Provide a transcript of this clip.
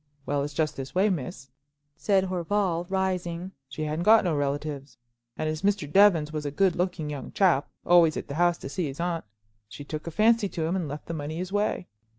"Well, it's just this way, miss," said Horval, rising. "She hadn't got no relatives; and as Mr. Jevons was a good looking young chap, always at the house to see his aunt, she took a fancy to him and left the money his way."